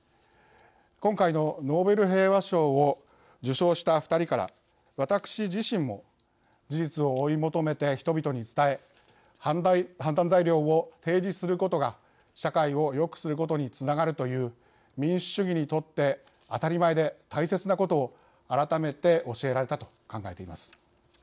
今回のノーベル平和賞を受賞した２人から、私自身も事実を追い求めて、人々に伝え判断材料を提示することが社会をよくすることにつながるという民主主義にとって当たり前で大切なことを改めて教えられたと考えています。